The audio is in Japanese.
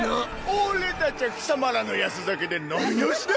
俺たちゃ貴様らの安酒で飲み直しだ。